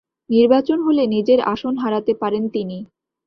নির্বাচন হলে নিজের আসন হারাতে পারেন তিনি।